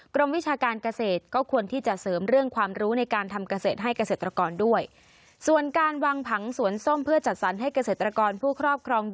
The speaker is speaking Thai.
กรมวิชาการเกษตร